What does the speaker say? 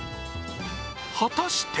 果たして